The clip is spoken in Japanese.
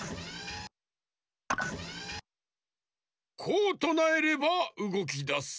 こうとなえればうごきだす。